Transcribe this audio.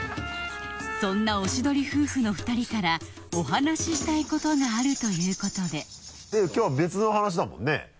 そんなおしどり夫婦の２人からお話ししたいことがあるということできょうは別の話だもんね？